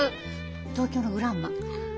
東京のグランマ。